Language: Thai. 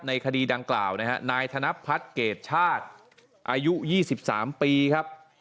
คดีดังกล่าวนะฮะนายธนพัฒน์เกรดชาติอายุ๒๓ปีครับ